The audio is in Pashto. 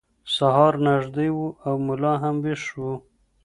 سهار نږدې و او ملا هم ویښ و.